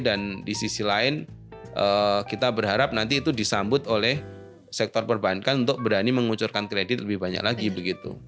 dan di sisi lain kita berharap nanti itu disambut oleh sektor perbankan untuk berani mengucurkan kredit lebih banyak lagi begitu